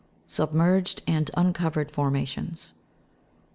Submerged and uncovered formations.